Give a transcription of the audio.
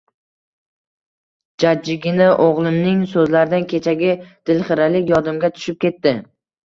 Jajjigina oʻgʻlimning soʻzlaridan kechagi dilxiralik yodimga tushib ketdi